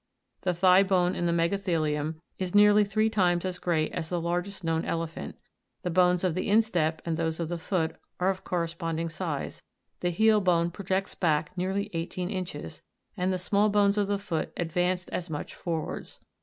The thigh bone in the megathe'rium is nearly three times as great as the largest known elephant ; the bones of the instep and those of the foot are of cor responding size, the heel bone projects back nearly eighteen inches, and the small bones of the foot advanced as much forwards.